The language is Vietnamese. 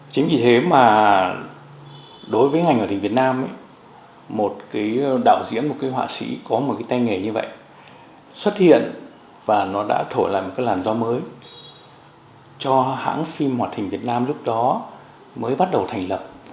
chính vì thế mà đối với ngành hòa thịnh việt nam một cái đạo diễn một cái họa sĩ có một cái tay nghề như vậy xuất hiện và nó đã thổi là một cái làn gió mới cho hãng phim hoạt hình việt nam lúc đó mới bắt đầu thành lập